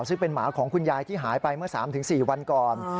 ซึ่งเป็นหมาของคุณยายที่หายไปเมื่อ๓๔วันก่อน